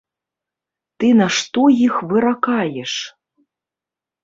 Ты на што іх выракаеш?